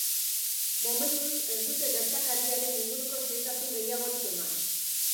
Momentuz, ez dute gertakariaren inguruko xehetasun gehiagorik eman.